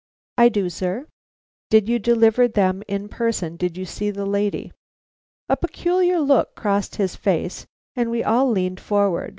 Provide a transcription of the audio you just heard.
"I do, sir." "Did you deliver them in person? Did you see the lady?" A peculiar look crossed his face and we all leaned forward.